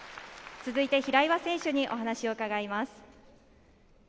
続いて平岩選手にお話を伺います。